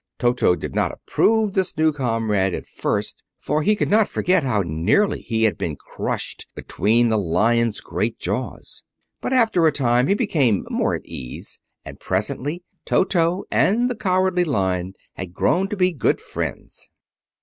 Toto did not approve of this new comrade at first, for he could not forget how nearly he had been crushed between the Lion's great jaws. But after a time he became more at ease, and presently Toto and the Cowardly Lion had grown to be good friends.